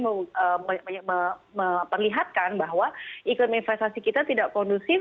dan memperlihatkan bahwa iklim investasi kita tidak kondusif